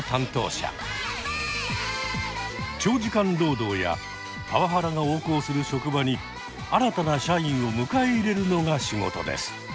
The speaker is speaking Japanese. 長時間労働やパワハラが横行する職場に新たな社員を迎え入れるのが仕事です。